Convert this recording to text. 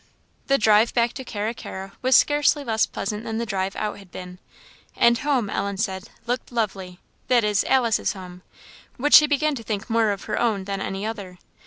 The drive back to Carra carra was scarcely less pleasant than the drive out had been; and home, Ellen said, looked lovely; that is, Alice's home, which she began to think more her own than any other.